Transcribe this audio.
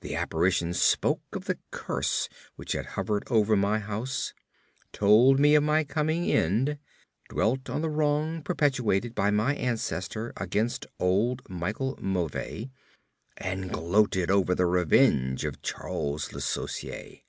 The apparition spoke of the curse which had hovered over my house, told me of my coming end, dwelt on the wrong perpetrated by my ancestor against old Michel Mauvais, and gloated over the revenge of Charles Le Sorcier.